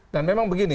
dan memang begini